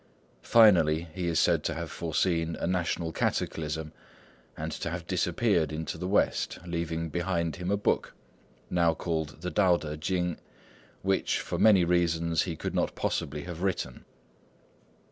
Finally, he is said to have foreseen a national cataclysm, and to have disappeared into the West, leaving behind him a book, now called the Tao Tê Ching, which, for many reasons, he could not possibly have written.